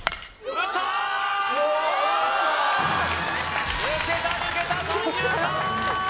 打てた抜けた三遊間！